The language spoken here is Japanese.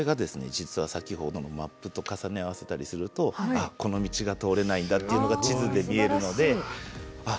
実は先ほどのマップと重ね合わせたりするとあっこの道が通れないんだっていうのが地図で見えるのであっ